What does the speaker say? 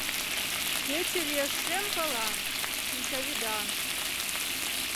Кече лиеш шем пылан, Шинчавӱдан.